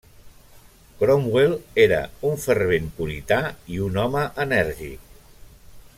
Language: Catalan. Cromwell era un fervent purità i un home enèrgic.